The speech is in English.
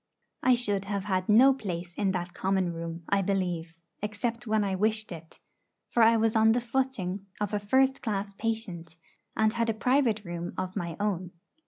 I should have had no place in that common room, I believe, except when I wished it; for I was on the footing of a 'first class patient,' and had a private room of my own.